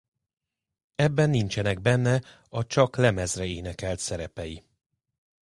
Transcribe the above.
Ebben nincsenek benne a csak lemezre énekelt szerepei.